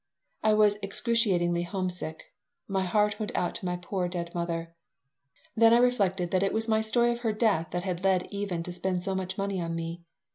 I was excruciatingly homesick. My heart went out to my poor dead mother. Then I reflected that it was my story of her death that had led Even to spend so much money on me.